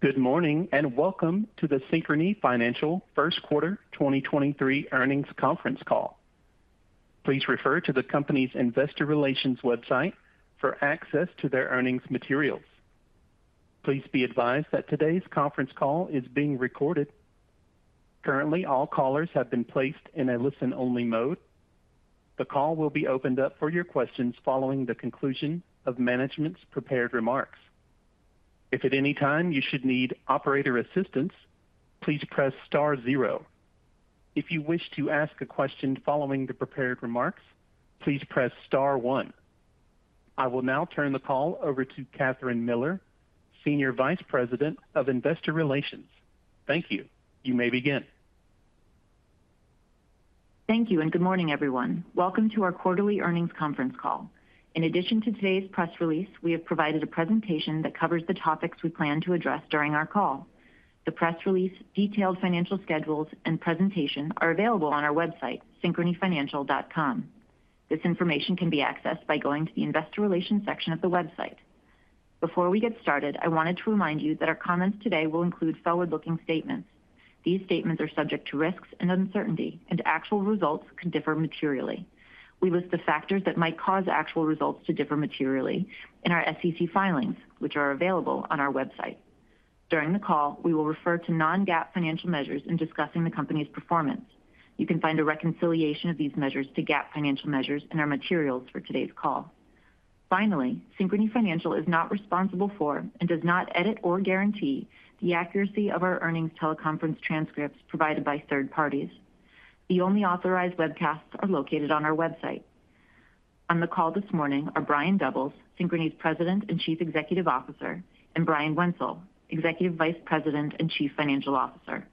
Good morning, and welcome to the Synchrony Financial First Quarter 2023 Earnings Conference Call. Please refer to the company's investor relations website for access to their earnings materials. Please be advised that today's conference call is being recorded. Currently, all callers have been placed in a listen-only mode. The call will be opened up for your questions following the conclusion of management's prepared remarks. If at any time you should need operator assistance, please press star zero. If you wish to ask a question following the prepared remarks, please press star one. I will now turn the call over to Kathryn Miller, Senior Vice President of Investor Relations. Thank you. You may begin. Thank you, and good morning, everyone. Welcome to our quarterly earnings conference call. In addition to today's press release, we have provided a presentation that covers the topics we plan to address during our call. The press release, detailed financial schedules, and presentation are available on our website, synchronyfinancial.com. This information can be accessed by going to the Investor Relations section of the website. Before we get started, I wanted to remind you that our comments today will include forward-looking statements. These statements are subject to risks and uncertainty, and actual results could differ materially. We list the factors that might cause actual results to differ materially in our SEC filings, which are available on our website. During the call, we will refer to non-GAAP financial measures in discussing the company's performance. You can find a reconciliation of these measures to GAAP financial measures in our materials for today's call. Finally, Synchrony Financial is not responsible for and does not edit or guarantee the accuracy of our earnings teleconference transcripts provided by third parties. The only authorized webcasts are located on our website. On the call this morning are Brian Doubles, Synchrony's President and Chief Executive Officer, and Brian Wenzel, Executive Vice President and Chief Financial Officer.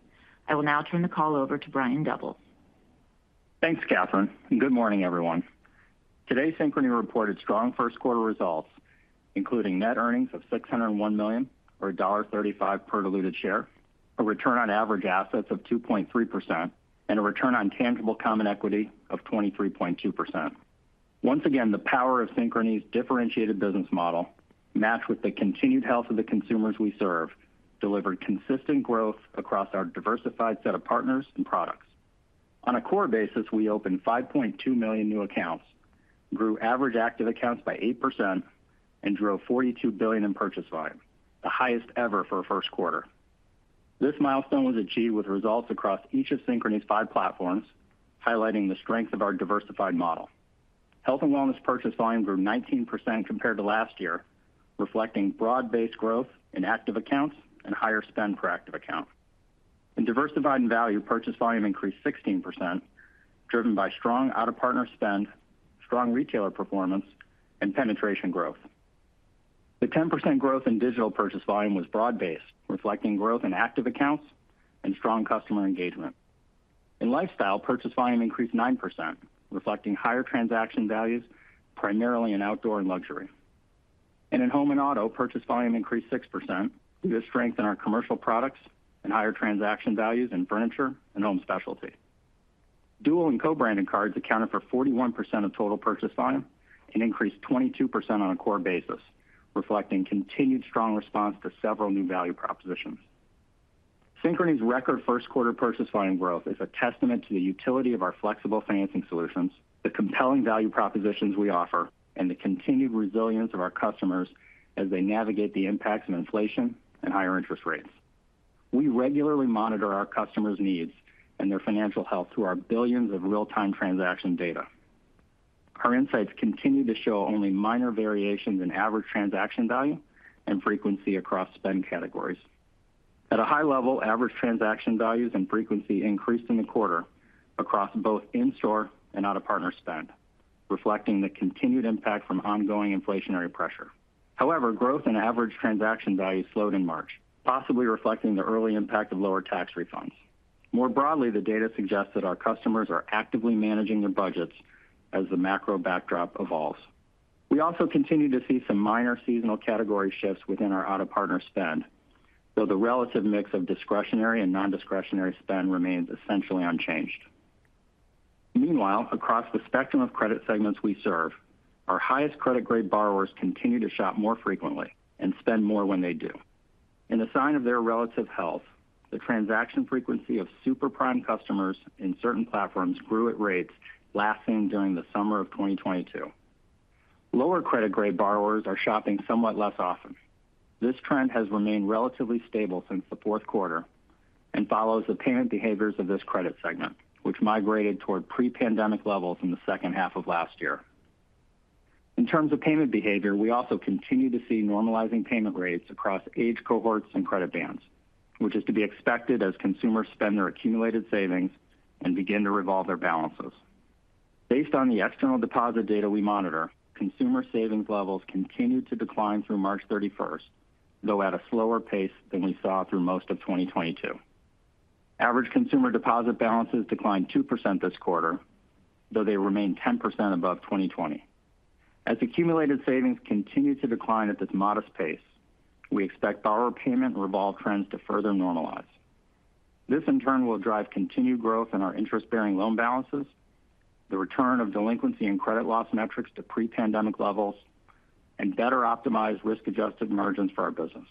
I will now turn the call over to Brian Doubles. Thanks, Kathryn. Good morning, everyone. Today, Synchrony reported strong first-quarter results, including net earnings of $601 million or $1.35 per diluted share, a return on average assets of 2.3%, and a return on tangible common equity of 23.2%. Once again, the power of Synchrony's differentiated business model matched with the continued health of the consumers we serve delivered consistent growth across our diversified set of partners and products. On a core basis, we opened 5.2 million new accounts, grew average active accounts by 8%, and drove $42 billion in purchase volume, the highest ever for a first quarter. This milestone was achieved with results across each of Synchrony's 5 platforms, highlighting the strength of our diversified model. Health and wellness purchase volume grew 19% compared to last year, reflecting broad-based growth in active accounts and higher spend per active account. In diversified and value, purchase volume increased 16%, driven by strong out-of-partner spend, strong retailer performance, and penetration growth. The 10% growth in digital purchase volume was broad-based, reflecting growth in active accounts and strong customer engagement. In lifestyle, purchase volume increased 9%, reflecting higher transaction values, primarily in outdoor and luxury. In home and auto, purchase volume increased 6% due to strength in our commercial products and higher transaction values in furniture and home specialty. Dual and co-branded cards accounted for 41% of total purchase volume and increased 22% on a core basis, reflecting continued strong response to several new value propositions. Synchrony's record 1st quarter purchase volume growth is a testament to the utility of our flexible financing solutions, the compelling value propositions we offer, and the continued resilience of our customers as they navigate the impacts of inflation and higher interest rates. We regularly monitor our customers' needs and their financial health through our billions of real-time transaction data. Our insights continue to show only minor variations in average transaction value and frequency across spend categories. At a high level, average transaction values and frequency increased in the quarter across both in-store and out-of-partner spend, reflecting the continued impact from ongoing inflationary pressure. However, growth in average transaction values slowed in March, possibly reflecting the early impact of lower tax refunds. More broadly, the data suggests that our customers are actively managing their budgets as the macro backdrop evolves. We also continue to see some minor seasonal category shifts within our out-of-partner spend, though the relative mix of discretionary and non-discretionary spend remains essentially unchanged. Meanwhile, across the spectrum of credit segments we serve, our highest credit grade borrowers continue to shop more frequently and spend more when they do. In a sign of their relative health, the transaction frequency of super prime customers in certain platforms grew at rates last seen during the summer of 2022. Lower credit grade borrowers are shopping somewhat less often. This trend has remained relatively stable since the fourth quarter and follows the payment behaviors of this credit segment, which migrated toward pre-pandemic levels in the second half of last year. In terms of payment behavior, we also continue to see normalizing payment rates across age cohorts and credit bands, which is to be expected as consumers spend their accumulated savings and begin to revolve their balances. Based on the external deposit data we monitor, consumer savings levels continued to decline through March 31, though at a slower pace than we saw through most of 2022. Average consumer deposit balances declined 2% this quarter, though they remain 10% above 2020. As accumulated savings continue to decline at this modest pace, we expect borrower payment revolve trends to further normalize. This in turn will drive continued growth in our interest-bearing loan balances, the return of delinquency and credit loss metrics to pre-pandemic levels, and better optimize risk-adjusted margins for our business.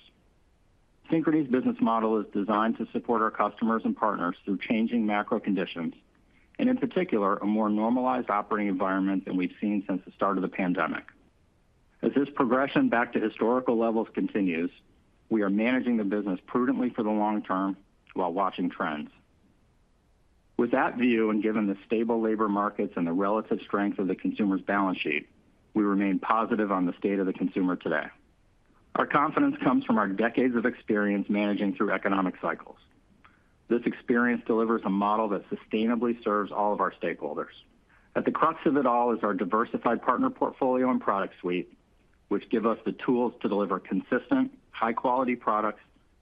Synchrony's business model is designed to support our customers and partners through changing macro conditions and in particular, a more normalized operating environment than we've seen since the start of the pandemic. As this progression back to historical levels continues, we are managing the business prudently for the long term while watching trends. With that view, and given the stable labor markets and the relative strength of the consumer's balance sheet, we remain positive on the state of the consumer today. Our confidence comes from our decades of experience managing through economic cycles. This experience delivers a model that sustainably serves all of our stakeholders. At the crux of it all is our diversified partner portfolio and product suite, which give us the tools to deliver consistent, high-quality products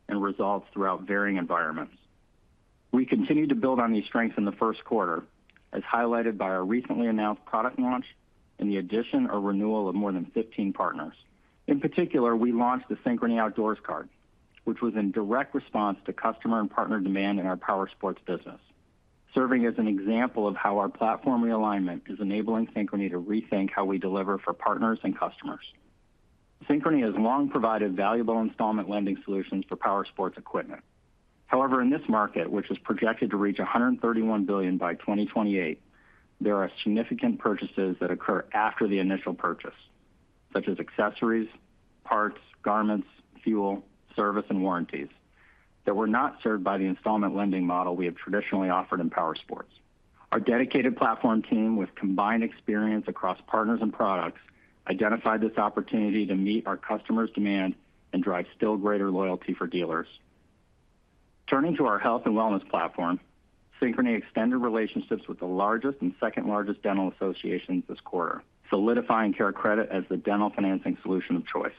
and results throughout varying environments. We continue to build on these strengths in the first quarter, as highlighted by our recently announced product launch and the addition or renewal of more than 15 partners. In particular, we launched the Synchrony Outdoors card, which was in direct response to customer and partner demand in our powersports business. Serving as an example of how our platform realignment is enabling Synchrony to rethink how we deliver for partners and customers. Synchrony has long provided valuable installment lending solutions for powersports equipment. In this market, which is projected to reach $131 billion by 2028, there are significant purchases that occur after the initial purchase, such as accessories, parts, garments, fuel, service, and warranties that were not served by the installment lending model we have traditionally offered in powersports. Our dedicated platform team, with combined experience across partners and products, identified this opportunity to meet our customers' demand and drive still greater loyalty for dealers. Turning to our health and wellness platform, Synchrony extended relationships with the largest and second largest dental associations this quarter, solidifying CareCredit as the dental financing solution of choice.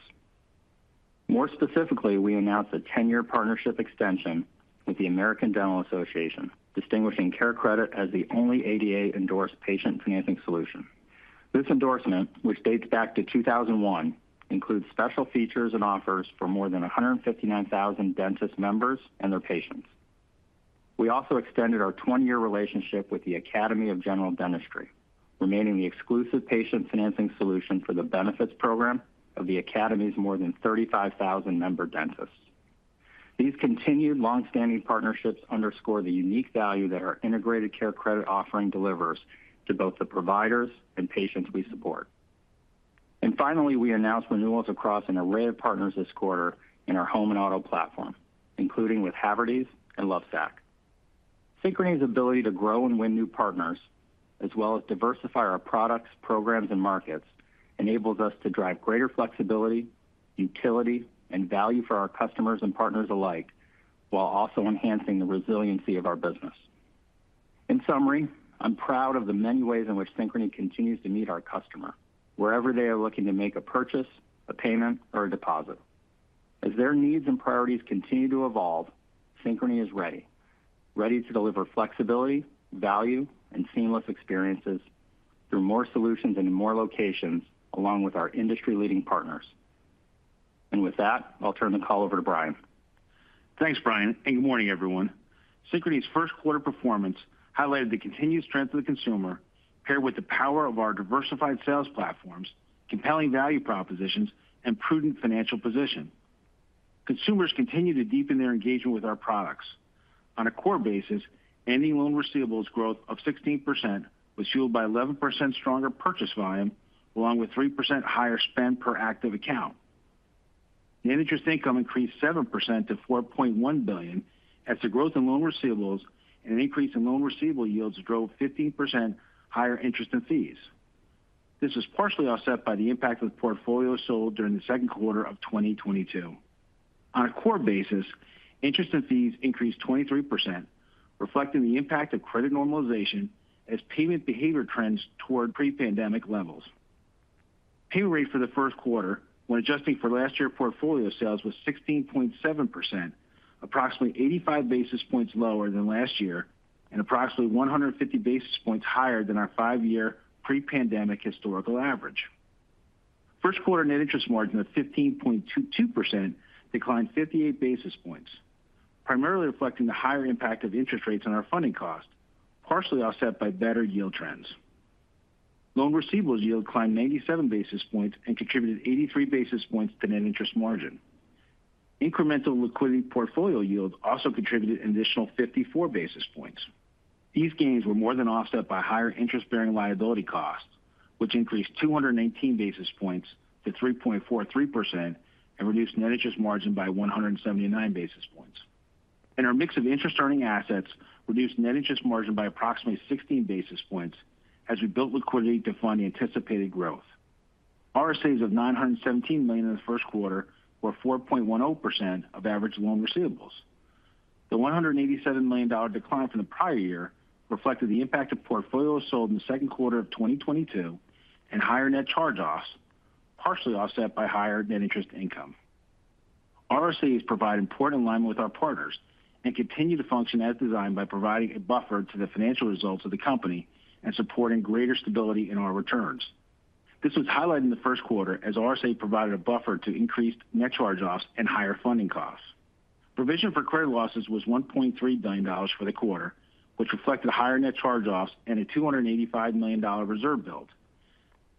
More specifically, we announced a 10-year partnership extension with the American Dental Association, distinguishing CareCredit as the only ADA-endorsed patient financing solution. This endorsement, which dates back to 2001, includes special features and offers for more than 159,000 dentist members and their patients. We also extended our 20-year relationship with the Academy of General Dentistry, remaining the exclusive patient financing solution for the benefits program of the academy's more than 35,000 member dentists. These continued long-standing partnerships underscore the unique value that our integrated CareCredit offering delivers to both the providers and patients we support. Finally, we announced renewals across an array of partners this quarter in our home and auto platform, including with Havertys and Lovesac. Synchrony's ability to grow and win new partners, as well as diversify our products, programs, and markets, enables us to drive greater flexibility, utility, and value for our customers and partners alike, while also enhancing the resiliency of our business. In summary, I'm proud of the many ways in which Synchrony continues to meet our customer wherever they are looking to make a purchase, a payment, or a deposit. As their needs and priorities continue to evolve, Synchrony is ready. Ready to deliver flexibility, value, and seamless experiences through more solutions and in more locations along with our industry-leading partners. With that, I'll turn the call over to Brian. Thanks, Brian, good morning, everyone. Synchrony's first quarter performance highlighted the continued strength of the consumer, paired with the power of our diversified sales platforms, compelling value propositions, and prudent financial position. Consumers continue to deepen their engagement with our products. On a core basis, ending loan receivables growth of 16% was fueled by 11% stronger purchase volume, along with 3% higher spend per active account. Net interest income increased 7% to $4.1 billion as the growth in loan receivables and an increase in loan receivable yields drove 15% higher interest and fees. This was partially offset by the impact of the portfolio sold during the second quarter of 2022. On a core basis, interest and fees increased 23%, reflecting the impact of credit normalization as payment behavior trends toward pre-pandemic levels. Pay rate for the first quarter, when adjusting for last year portfolio sales, was 16.7%, approximately 85 basis points lower than last year and approximately 150 basis points higher than our 5-year pre-pandemic historical average. First quarter net interest margin of 15.22% declined 58 basis points, primarily reflecting the higher impact of interest rates on our funding cost, partially offset by better yield trends. Loan receivables yield climbed 97 basis points and contributed 83 basis points to net interest margin. Incremental liquidity portfolio yield also contributed an additional 54 basis points. These gains were more than offset by higher interest-bearing liability costs, which increased 219 basis points to 3.43% and reduced net interest margin by 179 basis points. Our mix of interest-earning assets reduced net interest margin by approximately 16 basis points as we built liquidity to fund the anticipated growth. RSAs of $917 million in the first quarter were 4.10% of average loan receivables. The $187 million decline from the prior year reflected the impact of portfolios sold in the second quarter of 2022 and higher net charge-offs, partially offset by higher net interest income. RSAs provide important alignment with our partners and continue to function as designed by providing a buffer to the financial results of the company and supporting greater stability in our returns. This was highlighted in the first quarter as RSA provided a buffer to increased net charge-offs and higher funding costs. Provision for credit losses was $1.3 billion for the quarter, which reflected higher net charge-offs and a $285 million reserve build.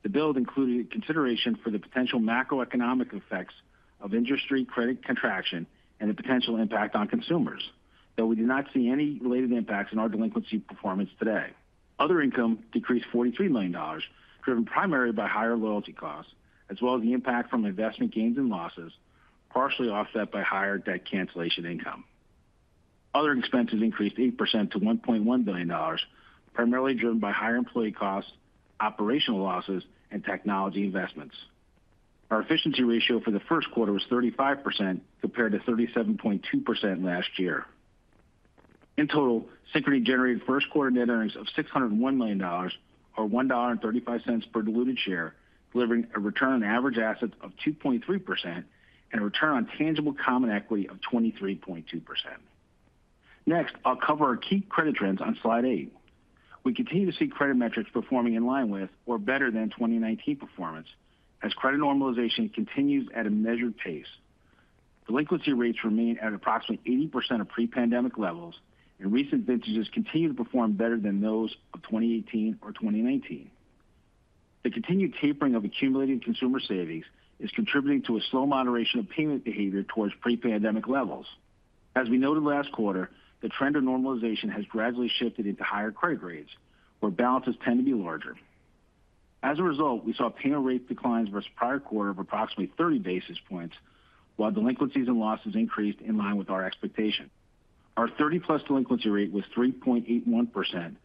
The build included consideration for the potential macroeconomic effects of industry credit contraction and the potential impact on consumers, though we do not see any related impacts in our delinquency performance today. Other income decreased $43 million, driven primarily by higher loyalty costs, as well as the impact from investment gains and losses, partially offset by higher debt cancellation income. Other expenses increased 8% to $1.1 billion, primarily driven by higher employee costs, operational losses, and technology investments. Our efficiency ratio for the first quarter was 35%, compared to 37.2% last year. In total, Synchrony generated first quarter net earnings of $601 million, or $1.35 per diluted share, delivering a return on average assets of 2.3% and a return on tangible common equity of 23.2%. I'll cover our key credit trends on slide 8. We continue to see credit metrics performing in line with or better than 2019 performance as credit normalization continues at a measured pace. Delinquency rates remain at approximately 80% of pre-pandemic levels, and recent vintages continue to perform better than those of 2018 or 2019. The continued tapering of accumulated consumer savings is contributing to a slow moderation of payment behavior towards pre-pandemic levels. As we noted last quarter, the trend of normalization has gradually shifted into higher credit rates where balances tend to be larger. As a result, we saw payment rate declines versus prior quarter of approximately 30 basis points, while delinquencies and losses increased in line with our expectation. Our 30-plus delinquency rate was 3.81%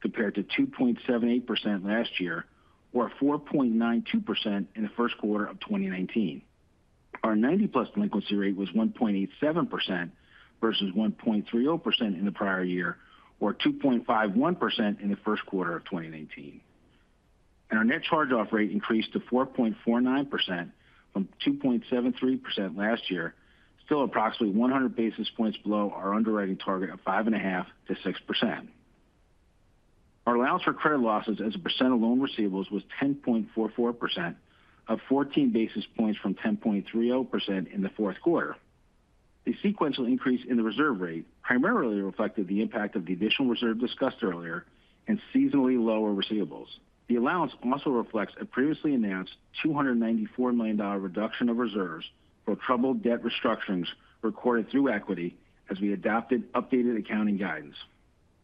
compared to 2.78% last year or 4.92% in the first quarter of 2019. Our 90-plus delinquency rate was 1.87% versus 1.30% in the prior year or 2.51% in the first quarter of 2019. Our net charge-off rate increased to 4.49% from 2.73% last year, still approximately 100 basis points below our underwriting target of 5.5%-6%. Our allowance for credit losses as a percent of loan receivables was 10.44% of 14 basis points from 10.30% in the fourth quarter. The sequential increase in the reserve rate primarily reflected the impact of the additional reserve discussed earlier and seasonally lower receivables. The allowance also reflects a previously announced $294 million reduction of reserves for troubled debt restructurings recorded through equity as we adopted updated accounting guidance.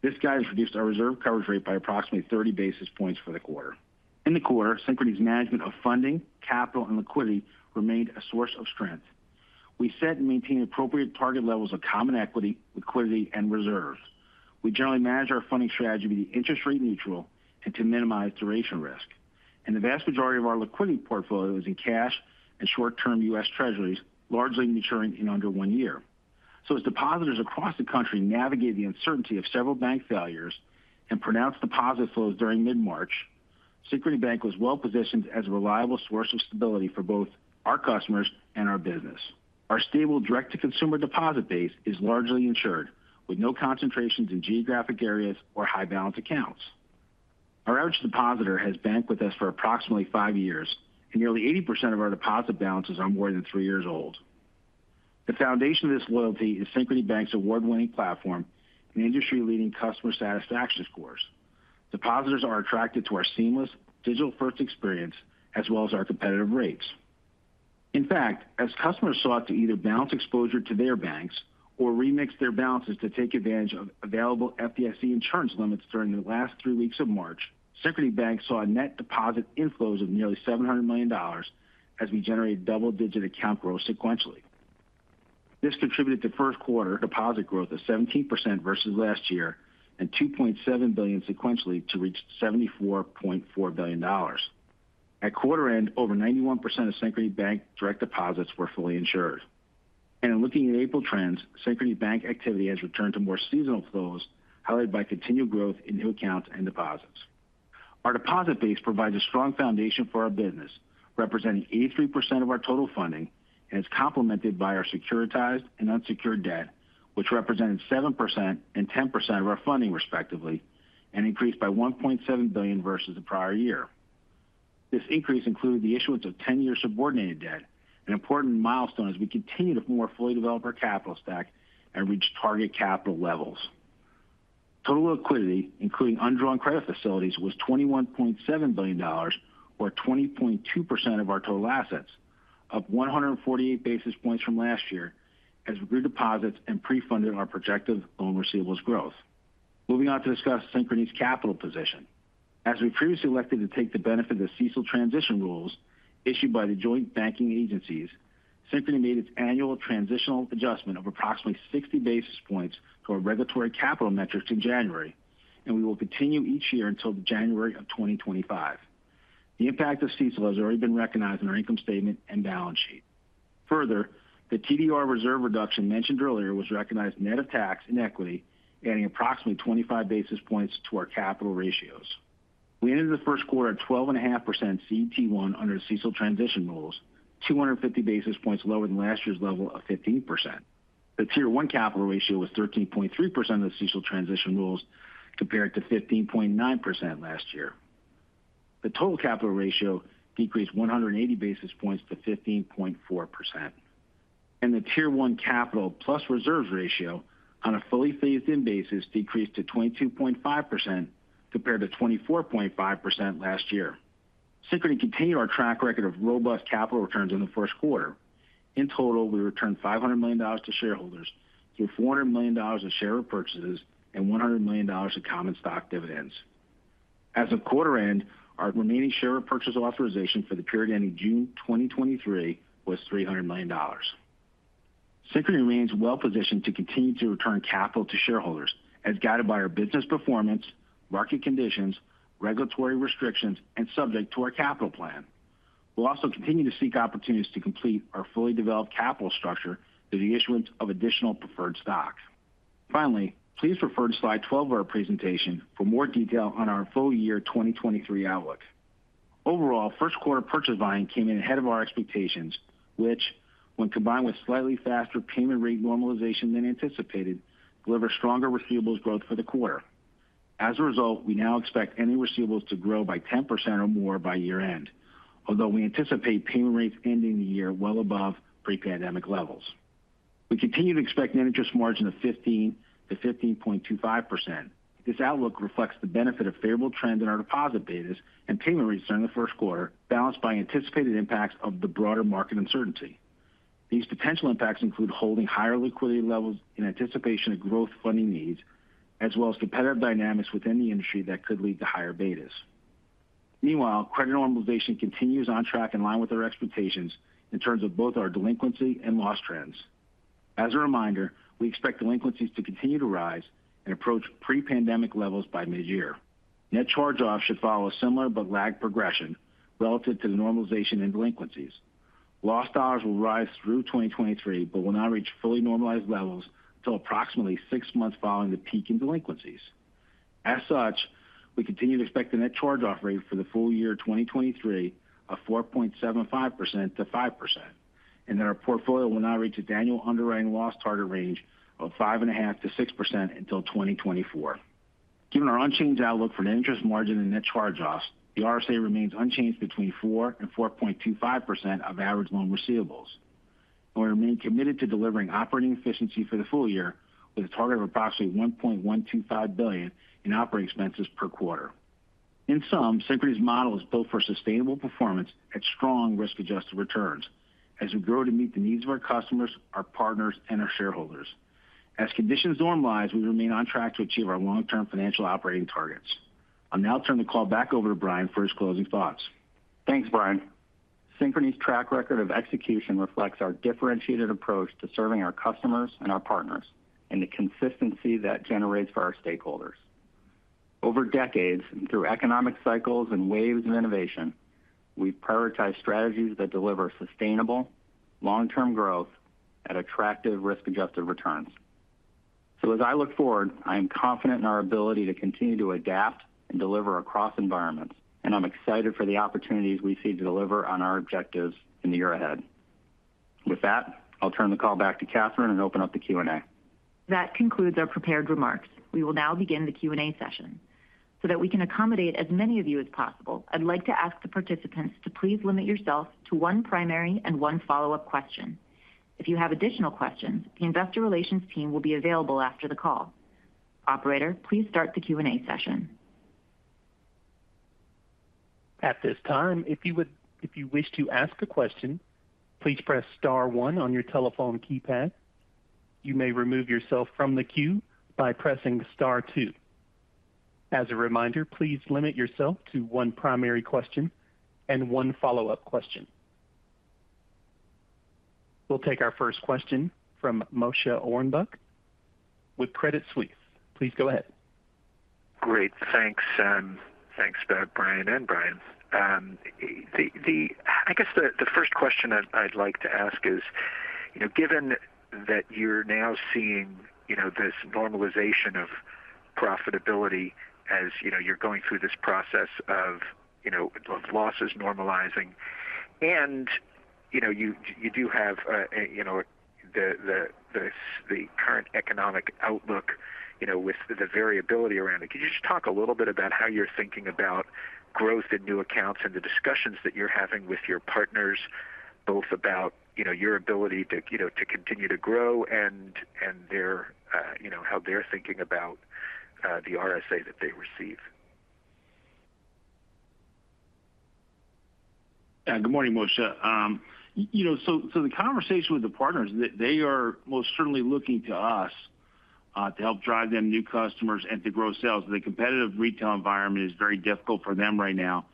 This guidance reduced our reserve coverage rate by approximately 30 basis points for the quarter. In the quarter, Synchrony's management of funding, capital, and liquidity remained a source of strength. We set and maintain appropriate target levels of common equity, liquidity, and reserves. We generally manage our funding strategy to be interest rate neutral and to minimize duration risk. The vast majority of our liquidity portfolio is in cash and short-term U.S. Treasuries, largely maturing in under 1 year. As depositors across the country navigate the uncertainty of several bank failures and pronounced deposit flows during mid-March, Synchrony Bank was well-positioned as a reliable source of stability for both our customers and our business. Our stable direct-to-consumer deposit base is largely insured with no concentrations in geographic areas or high-balance accounts. Our average depositor has banked with us for approximately 5 years, and nearly 80% of our deposit balance is more than 3 years old. The foundation of this loyalty is Synchrony Bank's award-winning platform and industry-leading customer satisfaction scores. Depositors are attracted to our seamless digital-first experience as well as our competitive rates. In fact, as customers sought to either balance exposure to their banks or remix their balances to take advantage of available FDIC insurance limits during the last three weeks of March, Synchrony Bank saw net deposit inflows of nearly $700 million as we generated double-digit account growth sequentially. This contributed to first quarter deposit growth of 17% versus last year and $2.7 billion sequentially to reach $74.4 billion. At quarter end, over 91% of Synchrony Bank direct deposits were fully insured. In looking at April trends, Synchrony Bank activity has returned to more seasonal flows, highlighted by continued growth in new accounts and deposits. Our deposit base provides a strong foundation for our business, representing 83% of our total funding, and it's complemented by our securitized and unsecured debt, which represented 7% and 10% of our funding respectively, and increased by $1.7 billion versus the prior year. This increase included the issuance of 10-year subordinated debt, an important milestone as we continue to more fully develop our capital stack and reach target capital levels. Total liquidity, including undrawn credit facilities, was $21.7 billion or 20.2% of our total assets, up 148 basis points from last year as we grew deposits and pre-funded our projected loan receivables growth. Moving on to discuss Synchrony's capital position. We previously elected to take the benefit of the CECL transition rules issued by the joint banking agencies, Synchrony made its annual transitional adjustment of approximately 60 basis points to our regulatory capital metrics in January. We will continue each year until January of 2025. The impact of CECL has already been recognized in our income statement and balance sheet. The TDR reserve reduction mentioned earlier was recognized net of tax and equity, adding approximately 25 basis points to our capital ratios. We ended the first quarter at 12.5% CET1 under the CECL transition rules, 250 basis points lower than last year's level of 15%. The Tier 1 capital ratio was 13.3% of the CECL transition rules, compared to 15.9% last year. The total capital ratio decreased 180 basis points to 15.4%. The Tier 1 capital plus reserves ratio on a fully phased-in basis decreased to 22.5% compared to 24.5% last year. Synchrony continued our track record of robust capital returns in the first quarter. In total, we returned $500 million to shareholders through $400 million in share purchases and $100 million in common stock dividends. As of quarter end, our remaining share repurchase authorization for the period ending June 2023 was $300 million. Synchrony remains well positioned to continue to return capital to shareholders as guided by our business performance, market conditions, regulatory restrictions, and subject to our capital plan. We'll also continue to seek opportunities to complete our fully developed capital structure through the issuance of additional preferred stocks. Please refer to slide 12 of our presentation for more detail on our full year 2023 outlook. Overall, first quarter purchase volume came in ahead of our expectations, which when combined with slightly faster payment rate normalization than anticipated, delivered stronger receivables growth for the quarter. As a result, we now expect any receivables to grow by 10% or more by year-end. Although we anticipate payment rates ending the year well above pre-pandemic levels. We continue to expect net interest margin of 15%-15.25%. This outlook reflects the benefit of favorable trends in our deposit betas and payment rates during the first quarter, balanced by anticipated impacts of the broader market uncertainty. These potential impacts include holding higher liquidity levels in anticipation of growth funding needs, as well as competitive dynamics within the industry that could lead to higher betas. Meanwhile, credit normalization continues on track in line with our expectations in terms of both our delinquency and loss trends. As a reminder, we expect delinquencies to continue to rise and approach pre-pandemic levels by mid-year. Net charge-offs should follow a similar but lagged progression relative to the normalization in delinquencies. Loss dollars will rise through 2023, but will not reach fully normalized levels until approximately six months following the peak in delinquencies. As such, we continue to expect the net charge-off rate for the full year 2023 of 4.75% to 5%, and that our portfolio will not reach a annual underwriting loss target range of 5.5% to 6% until 2024. Given our unchanged outlook for net interest margin and net charge-offs, the RSA remains unchanged between 4% and 4.25% of average loan receivables. We remain committed to delivering operating efficiency for the full year with a target of approximately $1.125 billion in operating expenses per quarter. In sum, Synchrony's model is built for sustainable performance at strong risk-adjusted returns as we grow to meet the needs of our customers, our partners, and our shareholders. As conditions normalize, we remain on track to achieve our long-term financial operating targets. I'll now turn the call back over to Brian for his closing thoughts. Thanks, Brian. Synchrony's track record of execution reflects our differentiated approach to serving our customers and our partners and the consistency that generates for our stakeholders. Over decades, through economic cycles and waves of innovation, we prioritize strategies that deliver sustainable long-term growth at attractive risk-adjusted returns. As I look forward, I am confident in our ability to continue to adapt and deliver across environments, and I'm excited for the opportunities we see to deliver on our objectives in the year ahead. With that, I'll turn the call back to Kathryn and open up the Q&A. That concludes our prepared remarks. We will now begin the Q&A session. That we can accommodate as many of you as possible, I'd like to ask the participants to please limit yourself to one primary and one follow-up question. If you have additional questions, the investor relations team will be available after the call. Operator, please start the Q&A session. At this time, if you wish to ask a question, please press star one on your telephone keypad. You may remove yourself from the queue by pressing star two. As a reminder, please limit yourself to 1 primary question and 1 follow-up question. We'll take our first question from Moshe Orenbuch with Credit Suisse. Please go ahead. Great. Thanks, thanks both Brian and Brian. I guess the first question I'd like to ask is, you know, given that you're now seeing, you know, this normalization of profitability as, you know, you're going through this process of, you know, of losses normalizing and, you know, you do have, you know, the current economic outlook, you know, with the variability around it. Could you just talk a little bit about how you're thinking about growth in new accounts and the discussions that you're having with your partners, both about, you know, your ability to, you know, to continue to grow and their, you know, how they're thinking about the RSA that they receive? Good morning, Moshe. You know, the conversation with the partners, they are most certainly looking to us to help drive them new customers and to grow sales. The competitive retail environment is very difficult for them right now.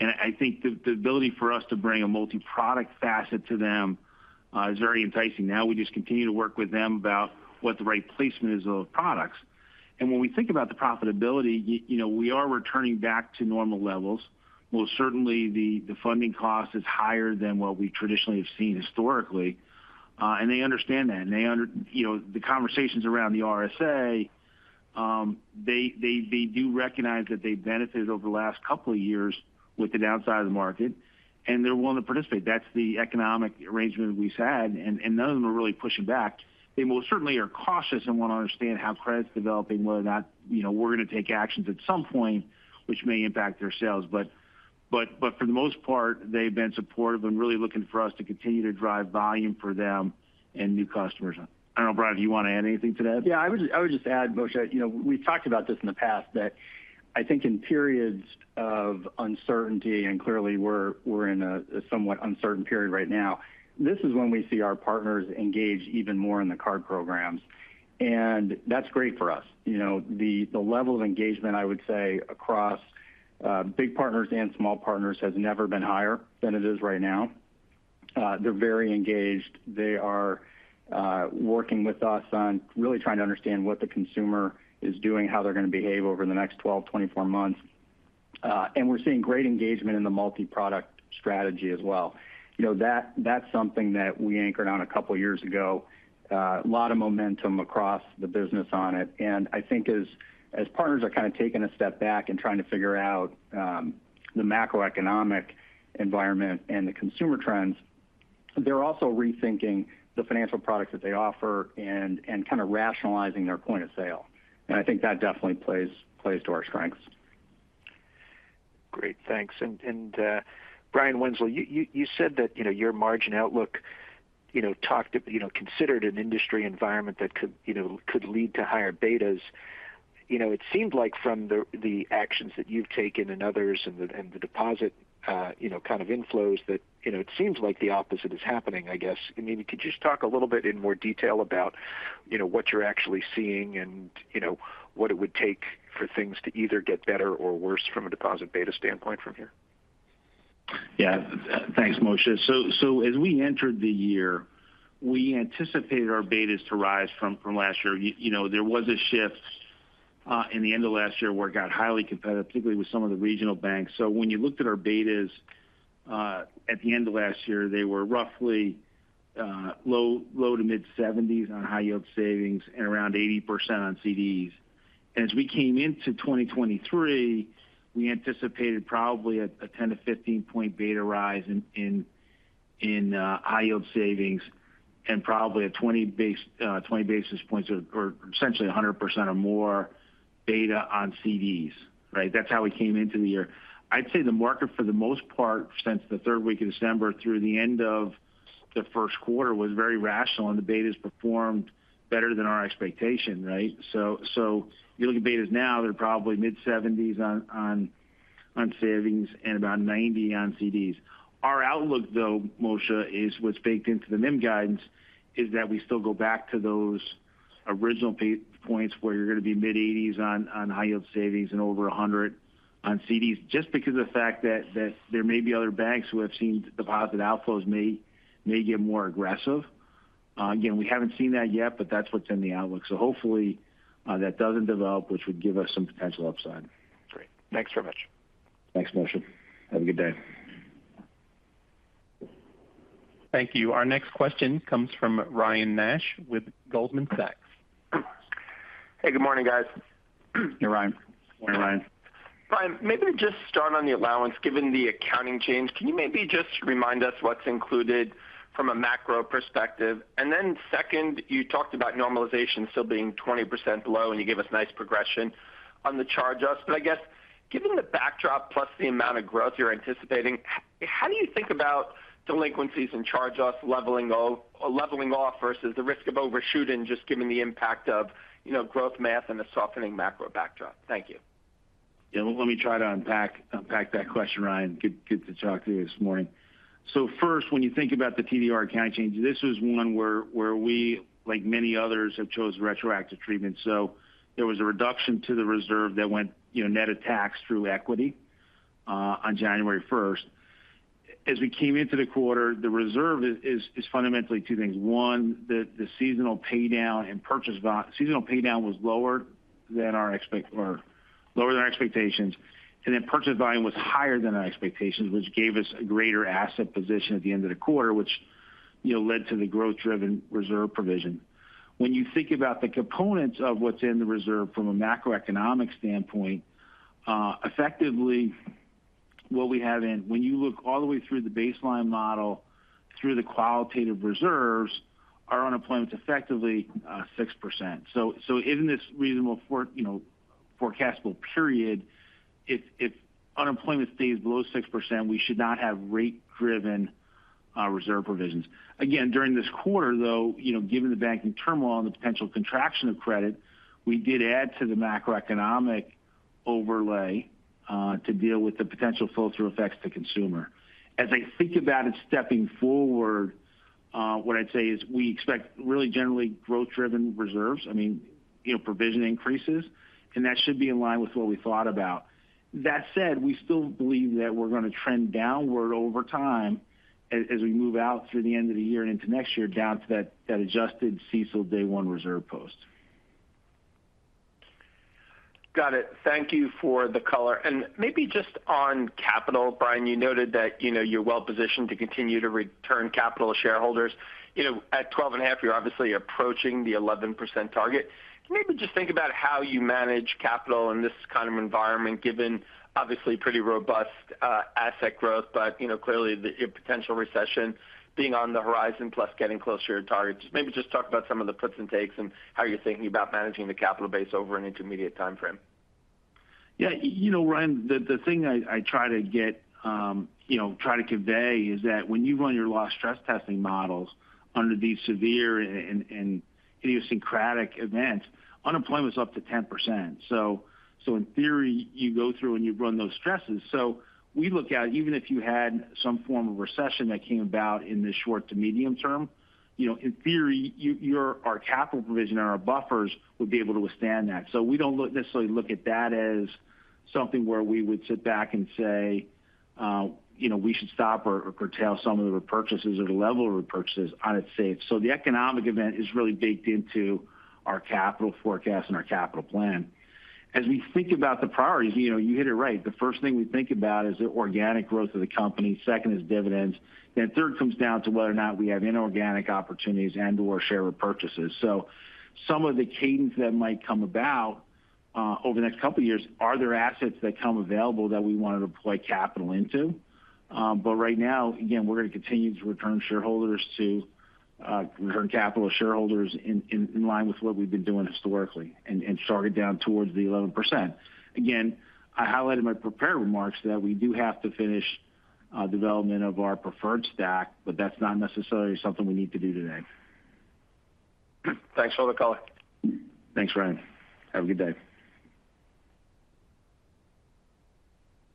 I think the ability for us to bring a multiproduct facet to them is very enticing. We just continue to work with them about what the right placement is of products. When we think about the profitability, you know, we are returning back to normal levels. Most certainly the funding cost is higher than what we traditionally have seen historically, and they understand that. You know, the conversations around the RSA, they do recognize that they've benefited over the last couple of years with the downside of the market, and they're willing to participate. That's the economic arrangement we've had, and none of them are really pushing back. They most certainly are cautious and wanna understand how credit's developing, whether or not, you know, we're gonna take actions at some point which may impact their sales. For the most part, they've been supportive and really looking for us to continue to drive volume for them and new customers. I don't know, Brian, do you wanna add anything to that? Yeah, I would just add, Moshe Orenbuch, you know, we've talked about this in the past, that I think in periods of uncertainty, and clearly we're in a somewhat uncertain period right now. This is when we see our partners engage even more in the card programs. That's great for us. You know, the level of engagement, I would say, across big partners and small partners has never been higher than it is right now. They're very engaged. They are working with us on really trying to understand what the consumer is doing, how they're gonna behave over the next 12, 24 months. We're seeing great engagement in the multi-product strategy as well. You know, that's something that we anchored on a couple years ago. A lot of momentum across the business on it. I think as partners are kind of taking a step back and trying to figure out the macroeconomic environment and the consumer trends, they're also rethinking the financial products that they offer and kind of rationalizing their point of sale. I think that definitely plays to our strengths. Great. Thanks. Brian Wenzel, you said that, you know, your margin outlook, you know, talked, you know, considered an industry environment that could, you know, could lead to higher betas. You know, it seemed like from the actions that you've taken and others and the deposit, you know, kind of inflows that, you know, it seems like the opposite is happening, I guess. I mean, could you just talk a little bit in more detail about, you know, what you're actually seeing and, you know, what it would take for things to either get better or worse from a deposit beta standpoint from here? Thanks, Moshe. As we entered the year, we anticipated our betas to rise from last year. You know, there was a shift in the end of last year where it got highly competitive, particularly with some of the regional banks. When you looked at our betas at the end of last year, they were roughly low to mid 70s on high yield savings and around 80% on CDs. As we came into 2023, we anticipated probably a 10-15 point beta rise in high yield savings and probably 20 basis points or essentially 100% or more beta on CDs, right? That's how we came into the year. I'd say the market for the most part since the third week of December through the end of the first quarter was very rational, the betas performed better than our expectation, right? You look at betas now, they're probably mid-70s on savings and about 90 on CDs. Our outlook, though, Moshe, is what's baked into the NIM guidance, is that we still go back to those original points where you're gonna be mid-80s on high yield savings and over 100 on CDs just because of the fact that there may be other banks who have seen deposit outflows may get more aggressive. Again, we haven't seen that yet, but that's what's in the outlook. Hopefully, that doesn't develop, which would give us some potential upside. Great. Thanks very much. Thanks, Moshe. Have a good day. Thank you. Our next question comes from Ryan Nash with Goldman Sachs. Hey, good morning, guys. Hey, Ryan. Good morning, Ryan. Brian, maybe just start on the allowance, given the accounting change. Can you maybe just remind us what's included from a macro perspective? Second, you talked about normalization still being 20% low, and you gave us nice progression on the charge-offs. I guess given the backdrop plus the amount of growth you're anticipating, how do you think about delinquencies and charge-offs leveling off versus the risk of overshooting just given the impact of, you know, growth math and the softening macro backdrop? Thank you. Yeah. Let me try to unpack that question, Ryan. Good to talk to you this morning. First, when you think about the TDR accounting change, this was one where we, like many others, have chose retroactive treatment. There was a reduction to the reserve that went, you know, net of tax through equity on January first. As we came into the quarter, the reserve is fundamentally two things. One, the seasonal pay down was lower than our expectations, purchase volume was higher than our expectations, which gave us a greater asset position at the end of the quarter, which, you know, led to the growth-driven reserve provision. When you think about the components of what's in the reserve from a macroeconomic standpoint, effectively what we have when you look all the way through the baseline model, through the qualitative reserves, our unemployment's effectively 6%. In this reasonable you know, forecastable period, if unemployment stays below 6%, we should not have rate-driven reserve provisions. Again, during this quarter, though, you know, given the banking turmoil and the potential contraction of credit, we did add to the macroeconomic overlay to deal with the potential filter effects to consumer. As I think about it stepping forward, what I'd say is we expect really generally growth-driven reserves. I mean, you know, provision increases, and that should be in line with what we thought about. That said, we still believe that we're gonna trend downward over time as we move out through the end of the year and into next year down to that adjusted CECL day one reserve post. Got it. Thank you for the color. Maybe just on capital, Brian, you noted that, you know, you're well-positioned to continue to return capital to shareholders. You know, at 12.5, you're obviously approaching the 11% target. Can you maybe just think about how you manage capital in this kind of environment, given obviously pretty robust asset growth, but, you know, clearly a potential recession being on the horizon plus getting closer to your target? Just maybe just talk about some of the puts and takes and how you're thinking about managing the capital base over an intermediate timeframe. Yeah. You know, Ryan, the thing I try to get, you know, try to convey is that when you run your loss stress testing models under these severe and idiosyncratic events, unemployment's up to 10%. In theory, you go through and you run those stresses. We look at even if you had some form of recession that came about in the short to medium term, you know, in theory, our capital provision and our buffers would be able to withstand that. We don't necessarily look at that as something where we would sit back and say, you know, we should stop or curtail some of the repurchases or the level of repurchases on its safe. The economic event is really baked into our capital forecast and our capital plan. As we think about the priorities, you know, you hit it right. The first thing we think about is the organic growth of the company, second is dividends, then third comes down to whether or not we have inorganic opportunities and/or share repurchases. Some of the cadence that might come about over the next couple of years, are there assets that come available that we want to deploy capital into? Right now, again, we're going to continue to return capital to shareholders in line with what we've been doing historically and target down towards the 11%. Again, I highlighted in my prepared remarks that we do have to finish development of our preferred stack, but that's not necessarily something we need to do today. Thanks for the color. Thanks, Ryan. Have a good day.